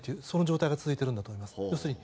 その状態が続いていると思います。